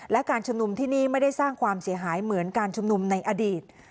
และการชุมนุมที่นี่ไม่ได้สร้างความเสียหายเหมือนการชุมนุมในอดีต